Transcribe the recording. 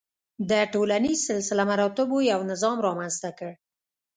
د ټولنیز سلسله مراتبو یو نظام رامنځته کړ.